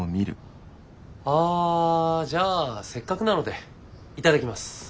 あじゃあせっかくなので頂きます。